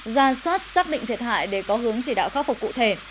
ra soát xác định thiệt hại để có hướng chỉ đạo khắc phục cụ thể